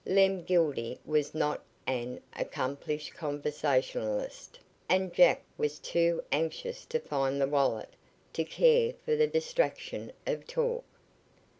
Lem Gildy was not an accomplished conversationalist, and Jack was too anxious to find the wallet to care for the distraction of talk.